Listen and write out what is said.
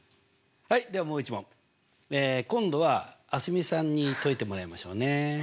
はいではもう一問今度は蒼澄さんに解いてもらいましょうね。